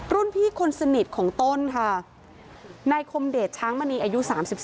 รุ่นพี่คนสนิทของต้นค่ะนายคมเดชช้างมณีอายุ๓๒